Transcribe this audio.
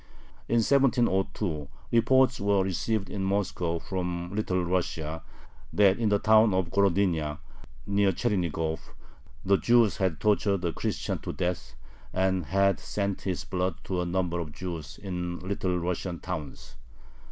In 1702 reports were received in Moscow from Little Russia, that in the town of Gorodnya, near Chernigov, "the Jews had tortured a Christian to death, and had sent his blood to a number of Jews in Little Russian towns."